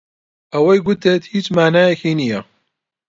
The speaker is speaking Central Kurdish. ئەوەی گوتت هیچ مانایەکی نییە.